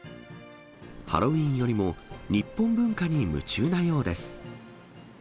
ハロウィーンよりも、日本文化に夢中なようです。